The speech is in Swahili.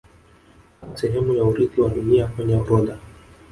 Kama sehemu ya urithi wa Dunia kwenye orodha